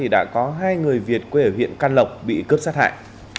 đã có hai người việt quê ở huyện can lộc bị cướp sát hại